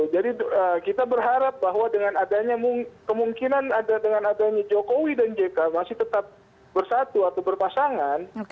jadi kita berharap bahwa dengan adanya jokowi dan jk masih tetap bersatu atau berpasangan